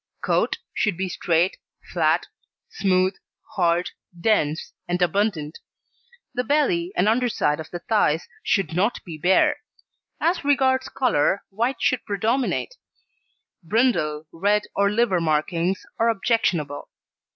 COAT Should be straight, flat, smooth, hard, dense, and abundant. The belly and under side of the thighs should not be bare. As regards colour, white should predominate; brindle, red, or liver markings are objectionable.